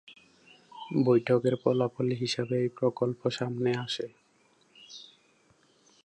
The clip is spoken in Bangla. বৈঠকের ফলাফল হিসেবে এই প্রকল্প সামনে আসে।